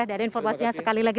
dan informasinya sekali lagi